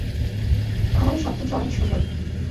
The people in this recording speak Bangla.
খামারে সবকিছু অনেক সুন্দর।